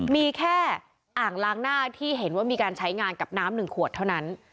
มีแค่อ่างล้างหน้าที่เห็นว่ามีการใช้งานกับน้ำหนึ่งขวดเท่านั้น